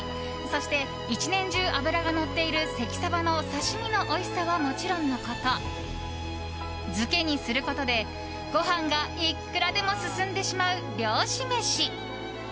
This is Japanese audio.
そして、１年中脂がのっている関さばの刺し身のおいしさはもちろんのこと漬けにすることで、ご飯がいくらでも進んでしまう漁師飯。